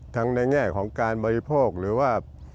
ในแง่ของการบริโภคหรือว่า